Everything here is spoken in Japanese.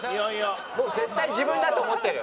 もう絶対自分だと思ってる。